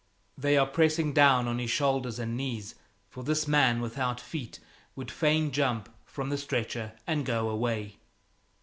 They are pressing down on his shoulders and knees, for this man without feet would fain jump from the stretcher and go away.